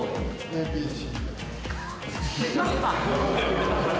ＡＢＣ。